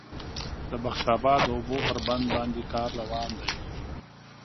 د بخش آباد د اوبو پر بند باندې کار روان دی